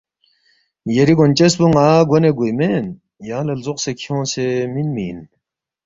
”یری گونچس پو ن٘ا گونے گوے مین، یانگ لہ لزوقسے کھیونگسے مِنمی اِن